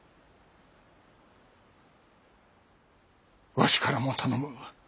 わしからも頼む。